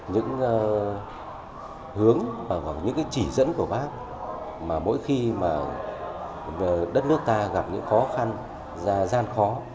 những hướng và những chỉ dẫn của bác mà mỗi khi mà đất nước ta gặp những khó khăn gian khó